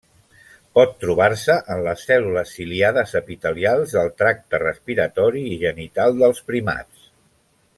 Pot trobar-se en les cèl·lules ciliades epitelials del tracte respiratori i genital dels primats.